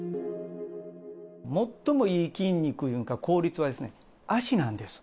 最もいい筋肉いうんか、効率は、脚なんです。